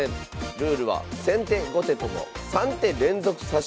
ルールは先手後手とも３手連続指し。